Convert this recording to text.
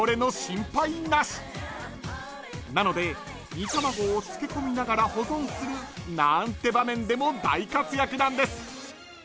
［なので煮卵を漬け込みながら保存するなんて場面でも大活躍なんです］